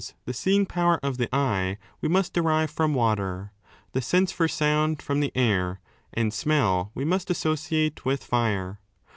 the seeing power of the eye we must derive from water, the sense for sound from the air, and smell we must associate with fire.